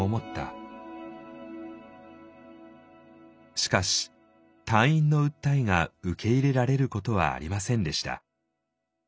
しかし退院の訴えが受け入れられることはありませんでした。